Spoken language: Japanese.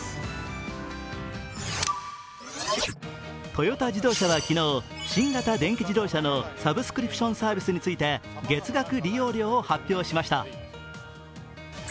トヨタ自動車は昨日、新型電気自動車のサブスクリプションサービスについて月額利用料を発表しました。